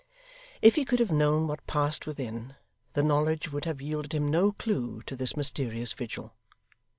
If he could have known what passed within, the knowledge would have yielded him no clue to this mysterious vigil.